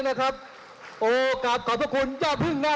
มาเกือบเต็มห้องเลย